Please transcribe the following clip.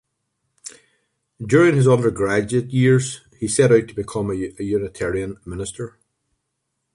During his undergraduate years, he set out to become a Unitarian minister.